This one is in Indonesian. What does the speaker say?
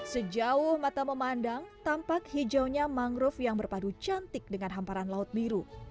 sejauh mata memandang tampak hijaunya mangrove yang berpadu cantik dengan hamparan laut biru